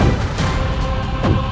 aku akan menang